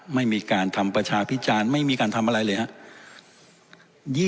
ไม่มีการทำประชาพิจารณ์ไม่มีการทำอะไรเลยครับ